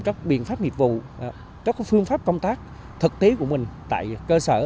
các biện pháp nghiệp vụ các phương pháp công tác thực tế của mình tại cơ sở